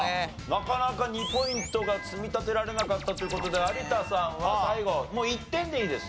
なかなか２ポイントが積み立てられなかったという事で有田さんは最後１点でいいです。